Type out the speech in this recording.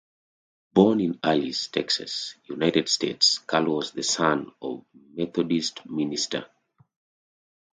Born in Alice, Texas, United States, Curl was the son of a Methodist minister.